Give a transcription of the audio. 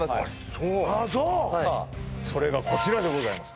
そうそれがこちらでございます